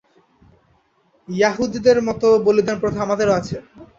য়াহুদীদের মত বলিদান-প্রথা আমাদেরও আছে।